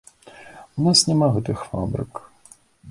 У нас няма гэтых фабрык.